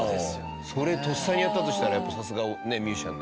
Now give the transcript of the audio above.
それとっさにやったとしたらやっぱさすがミュージシャン。